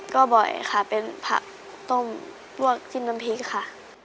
ก็บ่อยค่ะเป็นผักต้มพวกจิ้มน้ำพริกค่ะ